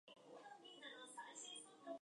急須を使って緑茶を飲む